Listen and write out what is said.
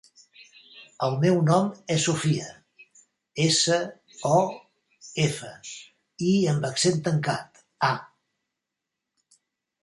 El meu nom és Sofía: essa, o, efa, i amb accent tancat, a.